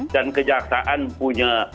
dan kejaksaan punya